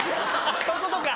そういうことか！